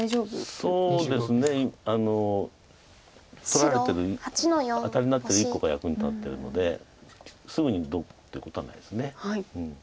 取られてるアタリになってる１個が役に立ってるのですぐにどうっていうことはないです。